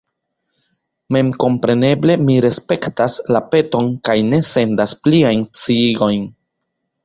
Memkompreneble mi respektas la peton kaj ne sendas pliajn sciigojn.